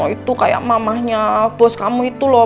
itu kayak mamahnya bos kamu itu loh